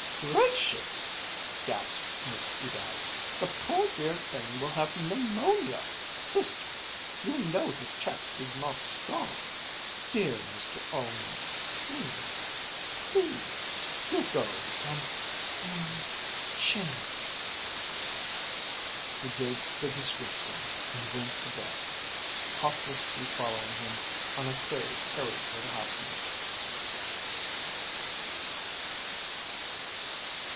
"Gracious!" gasped Miss Ebag. "The poor dear thing will have pneumonia. Sister, you know his chest is not strong. Dear Mr Ullman, please, please, do go and er change." He did the discreet thing and went to bed, hot whisky following him on a tray carried by the housemaid.